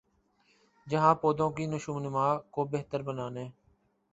جہاں پودوں کی نشوونما کو بہتر بنانے